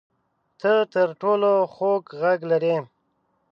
ته تر ټولو خوږ غږ لرې